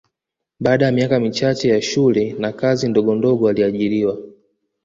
Baada ya miaka michache ya shule na kazi ndogondogo aliajiriwa